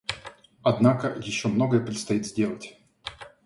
Однако еще многое предстоит сделать.